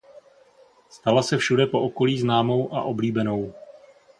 Stala se všude po okolí známou a oblíbenou.